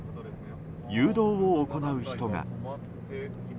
誘導を行う人が。